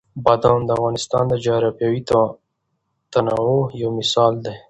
بادام د افغانستان د جغرافیوي تنوع یو مثال دی.